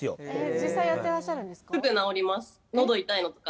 実際やってらっしゃるんですか？